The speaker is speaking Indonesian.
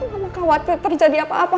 kamu khawatir terjadi apa apa